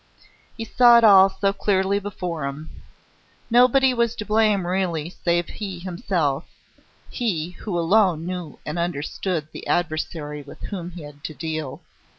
He saw it all so clearly before him. Nobody was to blame really, save he himself he, who alone knew and understood the adversary with whom he had to deal.